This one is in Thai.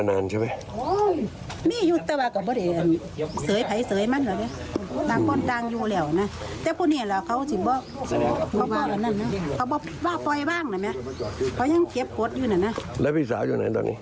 อ้าวส่วนพ่อตาของผู้ก่อเหตุ